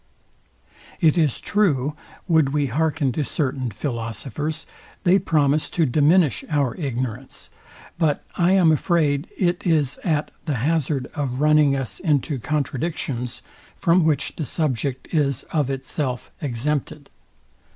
It is true, would we hearken to certain philosophers, they promise to diminish our ignorance; but I am afraid it is at the hazard of running us into contradictions, from which the subject is of itself exempted.